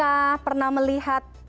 apakah pernah melihat